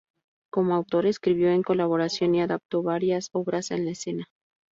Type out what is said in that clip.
Como autor, escribió en colaboración y adaptó varias obras a la escena.